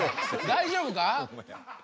大丈夫か？